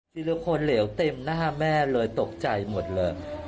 ศิลพลเหลวเต็มหน้าแม่เลยตกใจหมดเลย